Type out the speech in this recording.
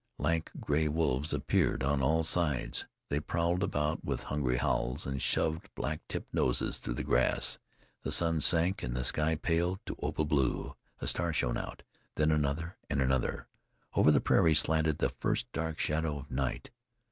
Lank, gray wolves appeared on all sides; they prowled about with hungry howls, and shoved black tipped noses through the grass. The sun sank, and the sky paled to opal blue. A star shone out, then another, and another. Over the prairie slanted the first dark shadow of night.